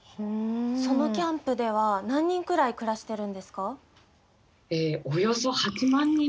そのキャンプでは何人くらい暮らしてるんですか？